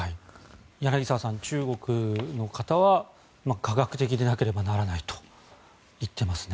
柳澤さん、中国の方は科学的でなければならないと言っていますね。